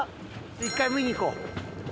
１回見に行こう。